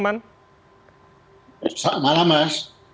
selamat malam mas